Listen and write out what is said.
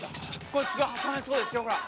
こいつが挟めそうですよほら。